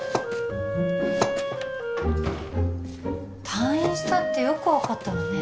退院したってよく分かったわね